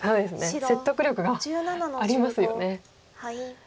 説得力がありますよね。